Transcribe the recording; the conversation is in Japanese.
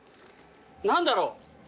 何だろう？